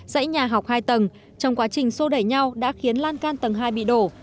dãy nhà học hai tầng trong quá trình sô đẩy nhau đã khiến lan can tầng hai bị đổ